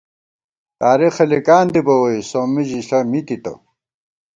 تارېخہ لِکان دِبہ ووئی ، سومی ژِݪہ می تِتہ